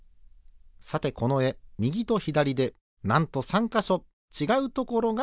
さてこのえみぎとひだりでなんと３かしょちがうところがございます。